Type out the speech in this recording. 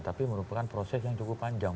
tapi merupakan proses yang cukup panjang